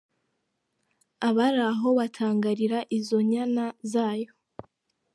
Abari aho batangarira izo nyana zayo.